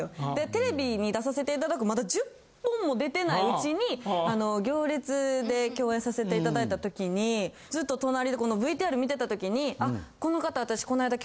テレビに出させていただくまだ１０本も出てないうちに『行列』で共演させていただいた時にずっと隣でＶＴＲ見てた時にあこの方私。